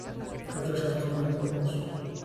Causa sarcoma en pollos.